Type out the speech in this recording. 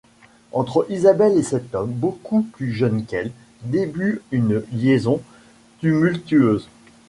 Entre Isabelle et cet homme beaucoup plus jeune qu'elle, début une liaison tumultueuse.